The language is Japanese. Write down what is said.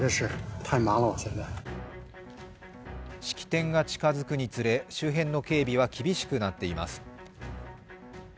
式典が近づくにつれ周辺の警備は厳しくなっています。